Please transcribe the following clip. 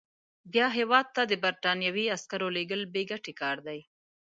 بیا هیواد ته د برټانوي عسکرو لېږل بې ګټې کار دی.